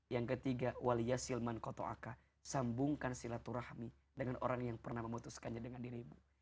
yang ketiga sambungkan silaturahmi dengan orang yang pernah memutuskannya dengan dirimu